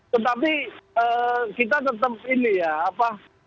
tetapi kita tetap ini ya apa